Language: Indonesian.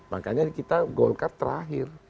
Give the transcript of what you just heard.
makanya kita golkar terakhir